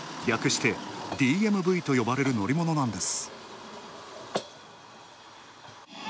略してＤＭＶと呼ばれる乗り物なんです。